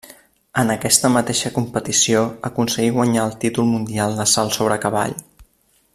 En aquesta mateixa competició aconseguí guanyar el títol mundial de salt sobre cavall.